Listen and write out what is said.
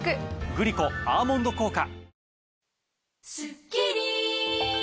グリコ「アーモンド効果」。